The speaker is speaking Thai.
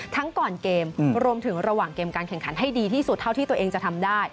ก่อนเกมรวมถึงระหว่างเกมการแข่งขันให้ดีที่สุดเท่าที่ตัวเองจะทำได้